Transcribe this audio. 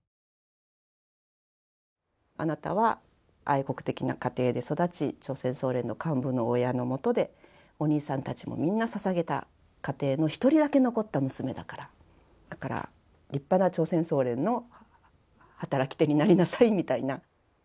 あなたは愛国的な家庭で育ち朝鮮総連の親の下でお兄さんたちもみんなささげた家庭の一人だけ残った娘だからだから立派な朝鮮総連の働き手になりなさいみたいな。